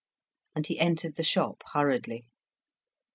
And he entered the shop hurriedly.